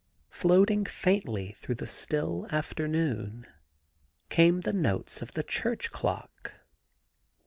Floating faintly through the still after noon came the notes of the church clock.